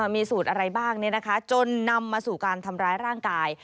มีสูตรอะไรบ้างจนนำมาสู่การทำร้ายร่างกาย